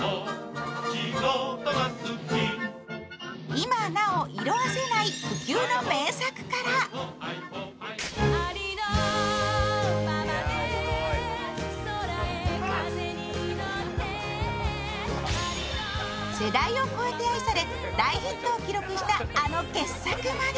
今なお色あせない不朽の名作から世代を超えて愛され大ヒットを記録したあの傑作まで